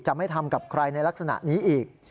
ไม่ทำกับใครในลักษณะนี้อีก